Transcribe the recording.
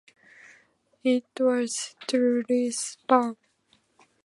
It was truly superb!